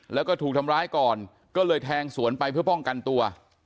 แล้วก็ถูกทำร้ายก่อนก็เลยแทงสวนไปเพื่อป้องกันตัว